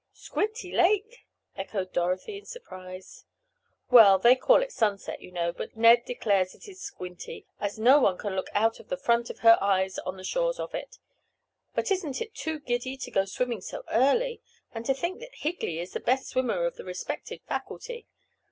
"Squinty Lake?" echoed Dorothy in surprise. "Well, they call it Sunset, you know, but Ned declares it is 'Squinty' as no one can look out of the front of her eyes on the shores of it. But isn't it too giddy—to go swimming so early. And to think that Higley is the best swimmer of the respected faculty.